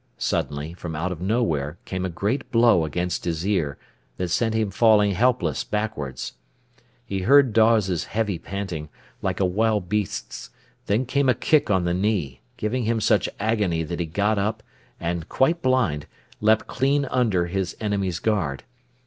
Suddenly, from out of nowhere, came a great blow against his ear, that sent him falling helpless backwards. He heard Dawes's heavy panting, like a wild beast's, then came a kick on the knee, giving him such agony that he got up and, quite blind, leapt clean under his enemy's guard.